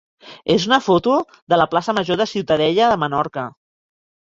és una foto de la plaça major de Ciutadella de Menorca.